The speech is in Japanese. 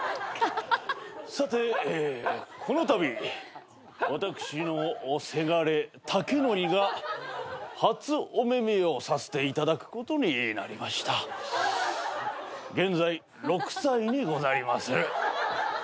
さてこのたび私のせがれタケノリが初お目見えをさせていただくことになりました。現在６歳にございまする。